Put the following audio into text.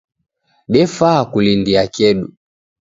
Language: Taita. Defaa kulindia kedu